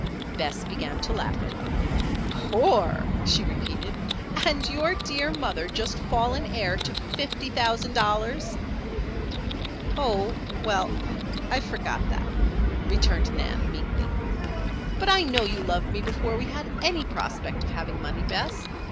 Bess began to laugh at her. "Poor?" she repeated. "And your dear mother just fallen heir to fifty thousand dollars?" "Oh well I forgot that," returned Nan, meekly. "But I know you loved me before we had any prospect of having money, Bess.